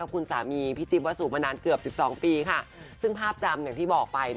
พี่จิมประสุทธิ์มานานเกือบ๑๒ปีค่ะ